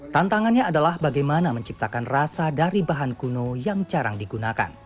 tantangannya adalah bagaimana menciptakan rasa dari bahan kuno yang jarang digunakan